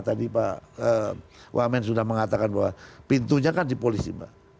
tadi pak wamen sudah mengatakan bahwa pintunya kan di polisi mbak